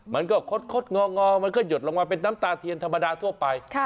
มันก็คดงองอมันก็หยดลงมาเป็นน้ำตาเทียนธรรมดาทั่วไป